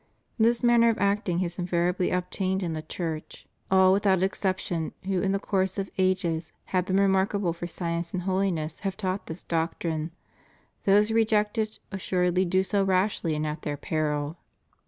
This manner of acting has invari ably obtained in the Church. All, without exception, who in the course of ages have been remarkable for science and holiness have taught this doctrine. Those who reject it, assuredly do so rashly and at their peril.